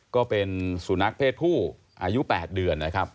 ก็เป็นสุนัขเพศผู้อายุ๘เดือนนะครับ